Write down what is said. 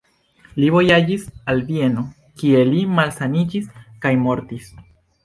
Li vojaĝis al Vieno, kie li malsaniĝis kaj mortis.